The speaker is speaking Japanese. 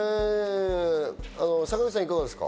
坂口さん、いかがですか？